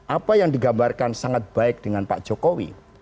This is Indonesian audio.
apa yang digambarkan sangat baik dengan pak jokowi